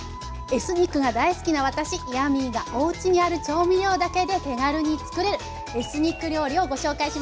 エスニックが大好きな私ヤミーがおうちにある調味料だけで手軽に作れるエスニック料理をご紹介します。